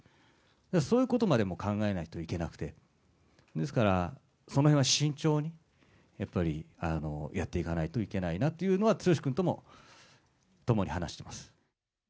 そういうことまでも考えないといけなくて、ですから、そのへんは慎重に、やっぱりやっていかないといけないなっていうのは剛君とも、共に話してます。